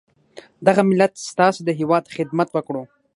دغه ملت ستاسي د هیواد خدمت وکړو.